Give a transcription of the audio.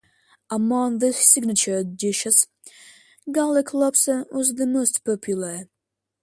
Among the signature dishes, garlic lobster was the most popular